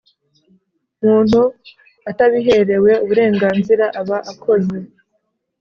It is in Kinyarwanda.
muntu atabiherewe uburenganzira aba akoze